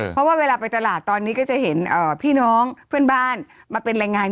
เพราะว่าเวลาไปตลาดตอนนี้ก็จะเห็น